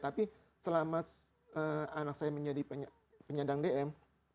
tapi selama anak saya menjadi penyandang dm